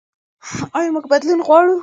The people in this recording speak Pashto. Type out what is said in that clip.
ایا موږ بدلون غواړو؟